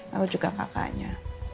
lalu juga kakaknya